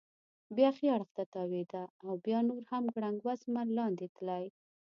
بیا ښي اړخ ته تاوېده او بیا نور هم ګړنګ وزمه لاندې تلی.